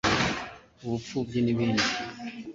ubupfubyi n’ibindi